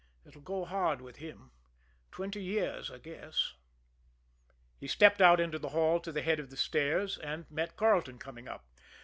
It'll go hard with him. Twenty years, I guess." He stepped out into the hall to the head of the stairs and met Carleton coming up.